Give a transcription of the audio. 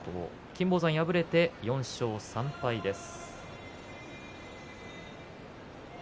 金峰山、敗れて４勝３敗です。